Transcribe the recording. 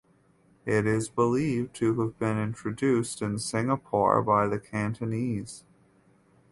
It is believed to have been introduced in Singapore by the Cantonese.